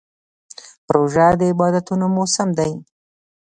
روژه د عبادتونو موسم دی.